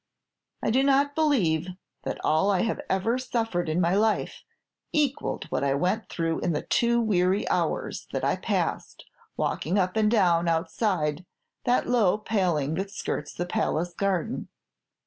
"I do not believe that all I have ever suffered in my life equalled what I went through in the two weary hours that I passed walking up and down outside that low paling that skirts the Palace garden.